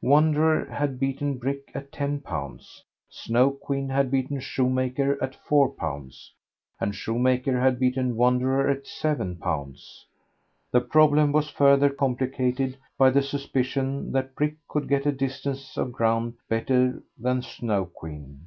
Wanderer had beaten Brick at ten pounds. Snow Queen had beaten Shoemaker at four pounds, and Shoemaker had beaten Wanderer at seven pounds. The problem was further complicated by the suspicion that Brick could get a distance of ground better than Snow Queen.